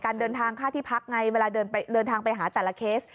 เดินทางค่าที่พักไงเวลาเดินทางไปหาแต่ละเคส